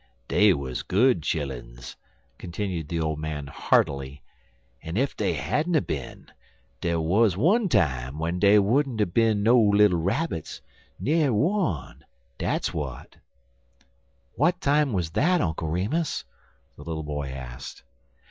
"Dey wuz good chilluns," continued the old man, heartily, "en ef dey hadn't er bin, der wuz one time w'en dey wouldn't er bin no little rabbits na'er one. Dat's w'at." "What time was that, Uncle Remus?" the little boy asked.